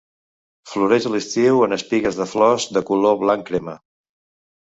Floreix a l'estiu en espigues de flors de color blanc crema.